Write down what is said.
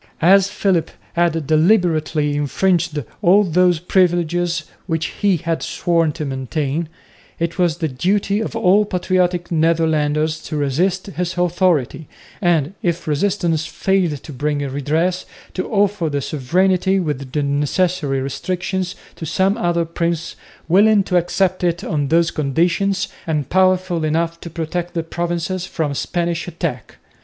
As Philip had deliberately infringed all those privileges which he had sworn to maintain, it was the duty of all patriotic Netherlanders to resist his authority, and, if resistance failed to bring redress, to offer the sovereignty with the necessary restrictions to some other prince willing to accept it on those conditions and powerful enough to protect the provinces from Spanish attack.